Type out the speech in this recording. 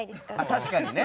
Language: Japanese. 確かにね。